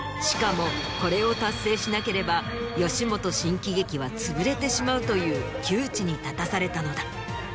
しかもこれを達成しなければ吉本新喜劇は潰れてしまうという窮地に立たされたのだ。